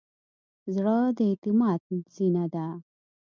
زړه د اعتماد زینه ده.